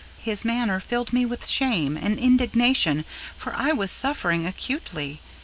His manner filled me with shame and indignation, for I was suffering acutely.